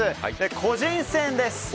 個人戦です。